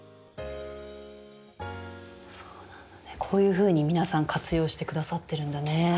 こういうふうに皆さん活用してくださってるんだね。